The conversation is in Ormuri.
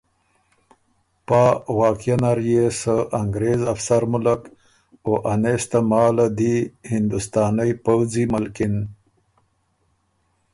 پا واقعیه نر يې سۀ انګرېز افسر مُلّک او انېس تماله دی هندوستانئ پؤځی ملکِن